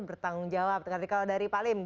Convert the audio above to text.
bertanggung jawab kalau dari pak lim